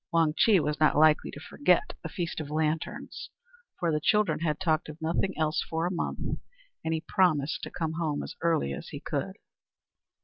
Wang Chih was not likely to forget the Feast of Lanterns, for the children had talked of nothing else for a month, and he promised to come home as early as he could.